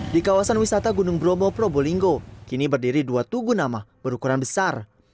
di kawasan wisata gunung bromo probolinggo kini berdiri dua tugu nama berukuran besar